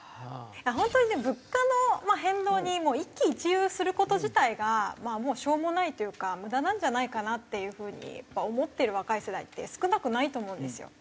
本当にね物価の変動に一喜一憂する事自体がもうしょうもないというか無駄なんじゃないかなっていう風に思ってる若い世代って少なくないと思うんですよ。